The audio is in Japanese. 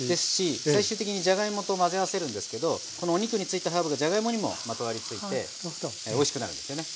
最終的にじゃがいもと混ぜ合わせるんですけどこのお肉についたハーブがじゃがいもにもまとわりついておいしくなるんですよね。